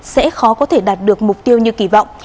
sẽ khó có thể đạt được mục tiêu như kỳ vọng